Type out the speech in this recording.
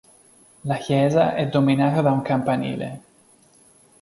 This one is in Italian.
La chiesa è dominata da un campanile.